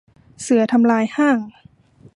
เสือทำลายห้าง